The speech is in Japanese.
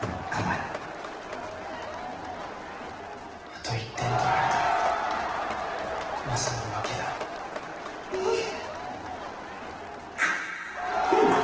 あと１点取られたらマサの負けだ。え？